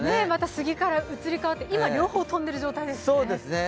スギから移り変わって今、両方飛んでる状態ですね。